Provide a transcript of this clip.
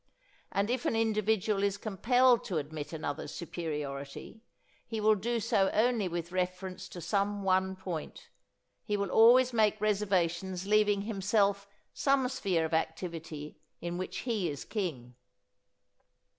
And if an individual is compelled to admit another's superiority, he will do so only with reference to some one point. He will always make reservations leaving himself some sphere of activity in which he is king.